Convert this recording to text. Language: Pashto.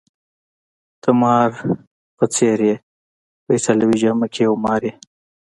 ته د مار په څېر يې، په ایټالوي جامه کي یو مار یې.